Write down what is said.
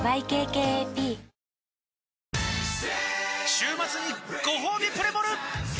週末にごほうびプレモル！